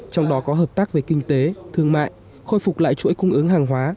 trong đó có hợp tác về kinh tế thương mại khôi phục lại chuỗi cung ứng hàng hóa